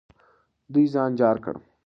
دوی ځان جار کړ.